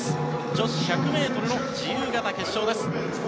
女子１００ｍの自由形決勝です。